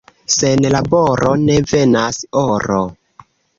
Sen laboro ne venas oro.